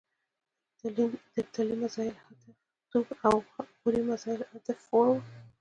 د ابدالي میزایل حتف ټو او غوري مزایل حتف فور و.